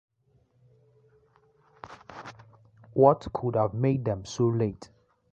What could have made them so late?